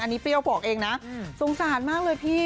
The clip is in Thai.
อันนี้เปรี้ยวบอกเองนะสงสารมากเลยพี่